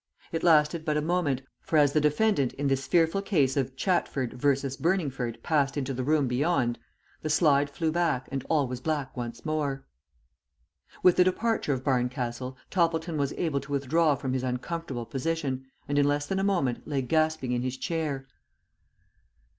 It lasted but a moment, for as the defendant in this fearful case of Chatford v. Burningford passed into the room beyond, the slide flew back and all was black once more. With the departure of Barncastle, Toppleton was able to withdraw from his uncomfortable position, and in less than a moment lay gasping in his chair.